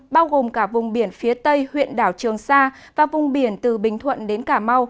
bao gồm cả vùng biển phía tây huyện đảo trường sa và vùng biển từ bình thuận đến cà mau